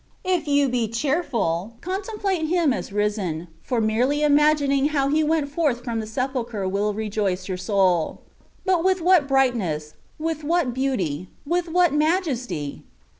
If you be cheerful, contemplate Him as risen, for merely imagining how He went forth from the sepulchre wiU rejoice your soul; but with what brightness, with what beauty, with what majesty